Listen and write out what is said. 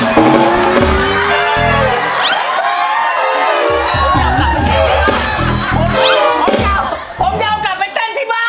ผมจะเอากลับไปเต้นที่บาน